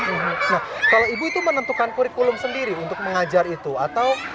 nah kalau ibu itu menentukan kurikulum sendiri untuk mengajar itu atau